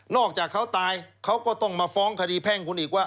อกจากเขาตายเขาก็ต้องมาฟ้องคดีแพ่งคุณอีกว่า